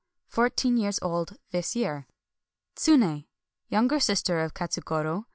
Fourteen years old this year. TsuNE. — ^Younger sister of Katsugoro.